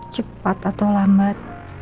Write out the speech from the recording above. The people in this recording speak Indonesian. cepat atau lambat